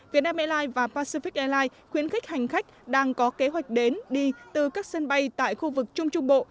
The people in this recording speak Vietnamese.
việt nam airlines và pacific airlines khuyến khích hành khách đang có kế hoạch đến đi từ các sân bay tại khu vực trung trung bộ